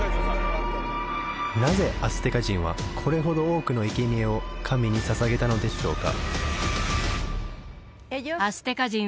なぜアステカ人はこれほど多くの生贄を神に捧げたのでしょうか？